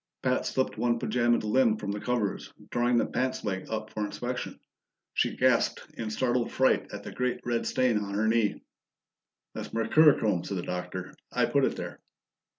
Pat slipped one pajamaed limb from the covers, drawing the pants leg up for inspection. She gasped in startled fright at the great red stain on her knee. "That's mercurochrome," said the Doctor. "I put it there."